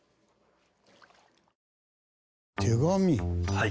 はい。